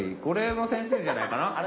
これも先生じゃないかな？